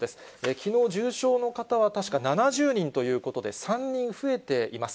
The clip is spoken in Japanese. きのう、重症の方は確か７０人ということで、３人増えています。